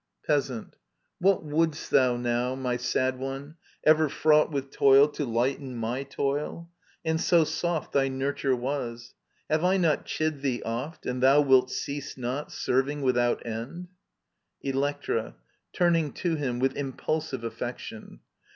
Peasant. What wouldst thou now, my sad one, ever fraught With toil to lighten my toil ? And so soft Thy nurture was I Have I not chid thee oft. And thou wilt cease not, serving without end ? Electra (turning to him with impulsive affection).